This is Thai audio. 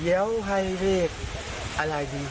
อยากโหดให้แบบอะไรดีเดี๋ยวก่อน